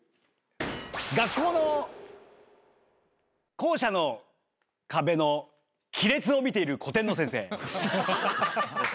学校の校舎の壁の亀裂を見ている古典の先生。